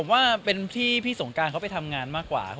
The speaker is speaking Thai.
ผมว่าเป็นพี่สงการเขาไปทำงานมากกว่า